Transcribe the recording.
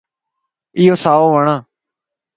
ايو سائو وڙَ